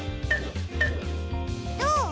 どう？